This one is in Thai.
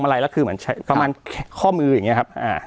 อะไรแล้วคือเหมือนใช้ประมาณข้อมืออย่างนี้ครับอ่า